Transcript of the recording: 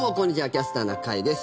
「キャスターな会」です。